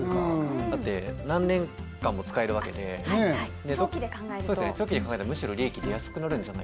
だって何年間も使えるわけで、長期で考えたらむしろ利益が出て安くなる。